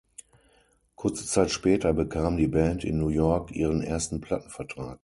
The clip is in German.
Kurze Zeit später bekam die Band in New York ihren ersten Plattenvertrag.